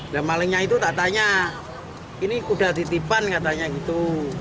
dan malingnya itu tak tanya ini kuda titipan katanya gitu